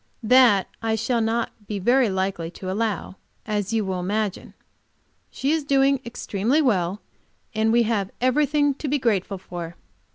That I shall not be very likely to allow, as you will imagine. She is doing extremely well, and we have everything to be grateful for.